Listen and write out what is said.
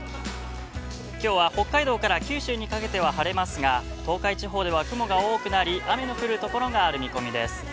きょうは北海道から九州にかけては晴れますが、東海地方では雲が多くなり、雨の降るところがある見込みです。